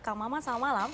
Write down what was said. kang maman selamat malam